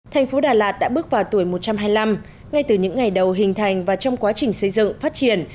thành phố đà lạt đã bước vào tuổi một trăm hai mươi năm ngay từ những ngày đầu hình thành và trong quá trình xây dựng phát triển